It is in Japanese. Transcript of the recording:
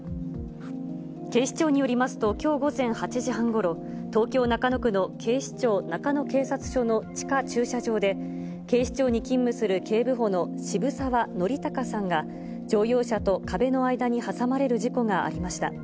警視庁によりますと、きょう午前８時半ごろ、東京・中野区の警視庁中野警察署の地下駐車場で、警視庁に勤務する警部補の渋沢憲孝さんが、乗用車と壁の間に挟まれる事故がありました。